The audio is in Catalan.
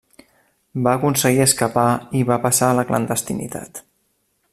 Va aconseguir escapar i va passar a la clandestinitat.